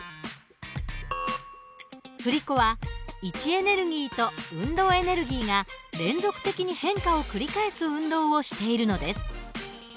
振り子は位置エネルギーと運動エネルギーが連続的に変化を繰り返す運動をしているのです。